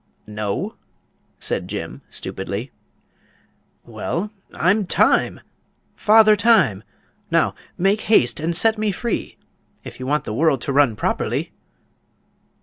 "No," said Jim, stupidly. "Well, I'm Time—Father Time! Now, make haste and set me free—if you want the world to run properly."